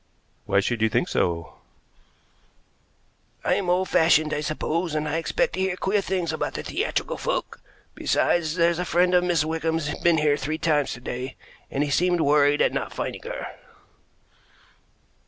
"Why should you think so?" "I'm old fashioned, I suppose, and I expect to hear queer things about theatrical folk; besides, there's a friend of Miss Wickham's been here three times to day, and he seemed worried at not finding her."